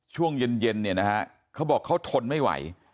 ช่วงเย็นเนี่ยนะฮะเขาบอกเขาทนไม่ไหว